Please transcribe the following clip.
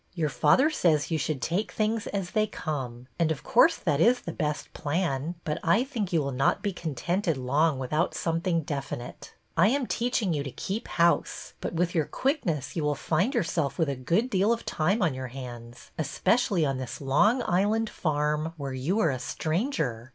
Your father says you should take things as they come, and of course that is the best plan, but I think you will not be contented long without something definite. I am teaching you to keep house, but with your quickness you will find yourself with a good deal of time on your hands, especially on this Long Island farm, where you are a stranger.